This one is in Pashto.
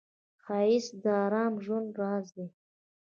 ښایست د آرام ژوند راز دی